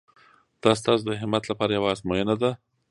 دا ستاسو د همت لپاره یوه ازموینه ده.